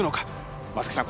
松木さん